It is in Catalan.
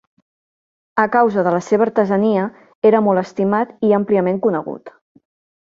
A causa de la seva artesania, era molt estimat i àmpliament conegut.